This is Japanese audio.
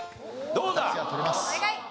どうだ？